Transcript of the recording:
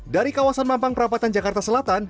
dari kawasan mampang perapatan jakarta selatan